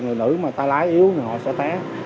người nữ mà ta lái yếu thì họ sẽ té